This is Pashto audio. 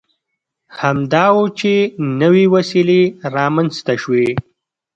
همدا و چې نوې وسیلې رامنځته شوې.